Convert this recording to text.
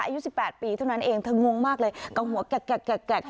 อายุ๑๘ปีเท่านั้นเองเธองงมากเลยเกาหัวแกะ